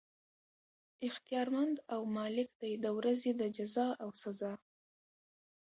اختيار مند او مالک دی د ورځي د جزاء او سزاء